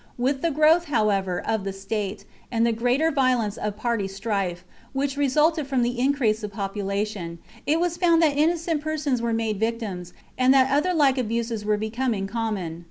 With the growth, however, of the state, and the greater violence of party strife, which resulted from the increase of population, it was found that innocent persons were made victims and that other like abuses were becoming common.